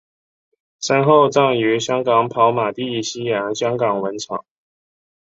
身后葬于香港跑马地西洋香港坟场。